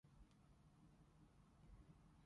你揸開棍波定自動波？